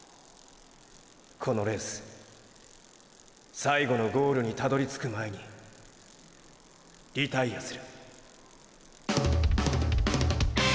このレース最後のゴールにたどりつく前にリタイアする。